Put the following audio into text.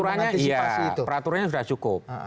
peraturannya iya sih peraturannya sudah cukup